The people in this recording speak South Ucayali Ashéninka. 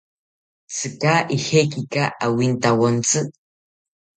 ¿Tzika ijekaki awintawontzi?